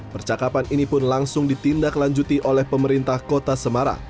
percakapan ini pun langsung ditindaklanjuti oleh pemerintah kota semarang